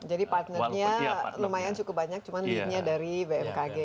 jadi partnernya lumayan cukup banyak cuma leadnya dari bmkg